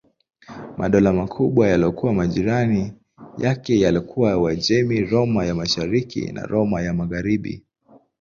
Madola makubwa yaliyokuwa majirani yake yalikuwa Uajemi, Roma ya Mashariki na Roma ya Magharibi.